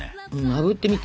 あぶってみて。